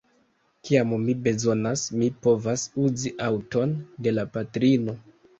Kiam mi bezonas, mi povas uzi aŭton de la patrino.